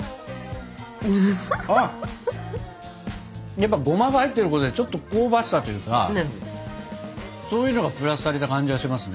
やっぱゴマが入ってることでちょっと香ばしさというかそういうのがプラスされた感じがしますね。